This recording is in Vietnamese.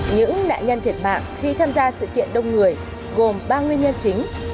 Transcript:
những nạn nhân thiệt mạng khi tham gia sự kiện đông người gồm ba nguyên nhân chính